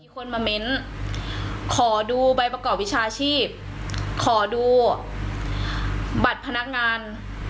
คนมาเม้นขอดูใบประกอบวิชาชีพขอดูบัตรพนักงาน